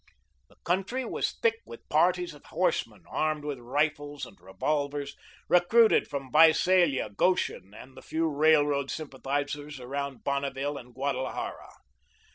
The country was thick with parties of horsemen, armed with rifles and revolvers, recruited from Visalia, Goshen, and the few railroad sympathisers around Bonneville and Guadlajara.